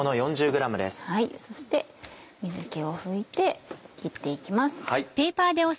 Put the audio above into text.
そして水気を拭いて切って行きます。